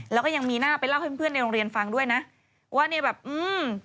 แล้วก็ยังมีหน้าไปเล่าให้เพื่อนในโรงเรียนฟังด้วยนะว่าเนี่ยแบบอืม